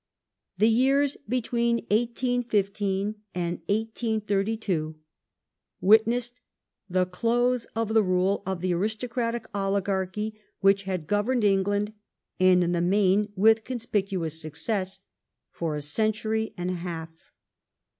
The years between 1815 and Growth of 1832 witnessed the close of the rule of the aristocratic oligarchy racy °^ which had governed England, and in the main with conspicuous success, for a century and a half.